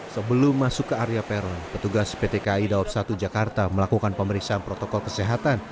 sebelum masuk ke area peron petugas pt kai dawab satu jakarta melakukan pemeriksaan protokol kesehatan